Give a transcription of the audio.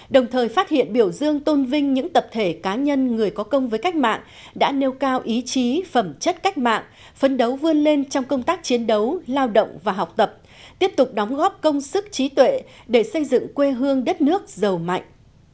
đồng thời phát hiện biểu dương tôn vinh những tập thể cá nhân người có công với cách mạng đã nêu cao ý chí phẩm chất cách mạng phấn đấu vươn lên trong công tác chiến đấu lao động và học tập tiếp tục đóng góp công sức trí tuệ để xây dựng quê hương đất nước giàu mạnh